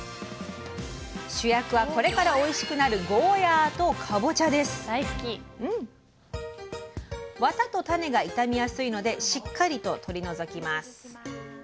主役はこれからおいしくなるワタと種が傷みやすいのでしっかりと取り除きます。